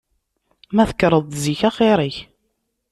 Ma tekkreḍ-d zik axir-ik.